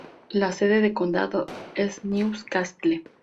La sede de condado es New Castle.